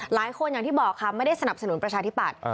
อย่างที่บอกค่ะไม่ได้สนับสนุนประชาธิปัตย์